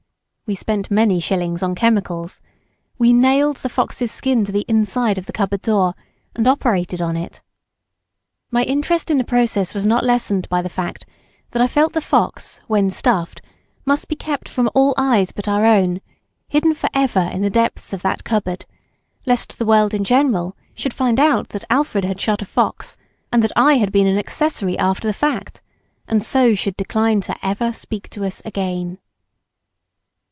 We spent many shillings on chemicals; we nailed the fox's skin to the inside of the cupboard door and operated on it. My interest in the process was not lessened by the fact that I felt that the fox when stuffed must be kept from all eyes but our own, hidden for ever in the depths of that cupboard, lest the world in general should find out that Alfred had shot a fox and that I had been an accessory after the fact, and should so decline "ever to speak to us again."